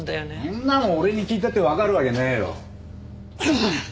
そんなの俺に聞いたってわかるわけねえよ。もうっ！